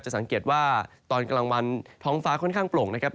สังเกตว่าตอนกลางวันท้องฟ้าค่อนข้างโปร่งนะครับ